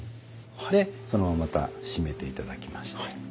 でそのまままた閉めて頂きまして。